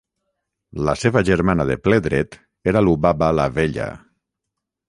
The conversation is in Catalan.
La seva germana de ple dret era Lubaba "La vella".